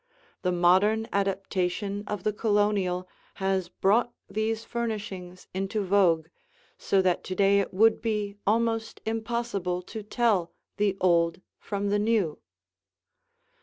The modern adaptation of the Colonial has brought these furnishings into vogue, so that to day it would be almost impossible to tell the old from the new.